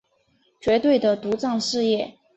绝对的独占事业